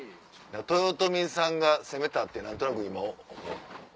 豊臣さんが攻めたって何となく今。